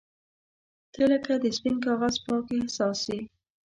• ته لکه د سپین کاغذ پاک احساس یې.